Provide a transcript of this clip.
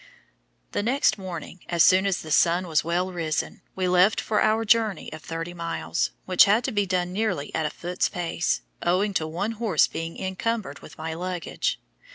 The next morning, as soon as the sun was well risen, we left for our journey of 30 miles, which had to be done nearly at a foot's pace, owing to one horse being encumbered with my luggage.